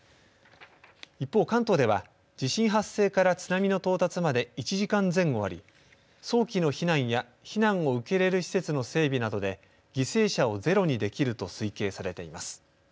一方、関東では地震発生から津波の到達まで１時間前後あり早期の避難や避難を受け入れる施設の整備などで犠牲者をゼロにできると推計されています。